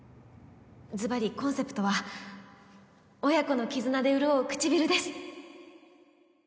ズバリコンセプトは親子の絆で潤う唇